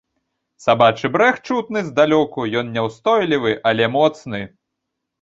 Сабачы брэх чутны здалёку, ён няўстойлівы, але моцны.